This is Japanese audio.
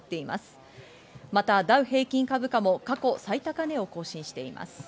また、ダウ平均株価も過去最高値を更新しています。